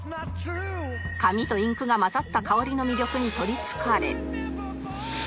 紙とインクが混ざった香りの魅力にとりつかれ